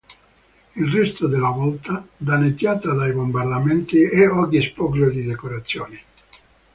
Il resto della volta, danneggiata dai bombardamenti, è oggi spoglio di decorazioni.